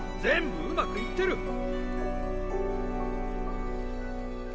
全部うまくいってる！